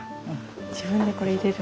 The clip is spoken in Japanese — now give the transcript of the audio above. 自分でこれ入れる。